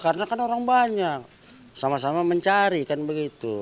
banyak banyak sama sama mencari kan begitu